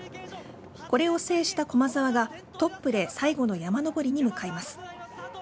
これを制した駒澤がトップで最後の山登りに向かいます。